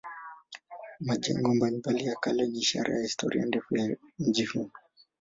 Majengo mbalimbali ya kale ni ishara ya historia ndefu ya mji huu.